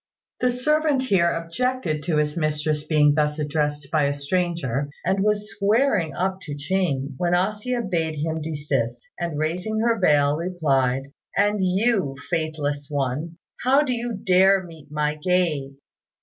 The servant here objected to his mistress being thus addressed by a stranger, and was squaring up to Ching, when A hsia bade him desist; and, raising her veil, replied, "And you, faithless one, how do you dare meet my gaze?"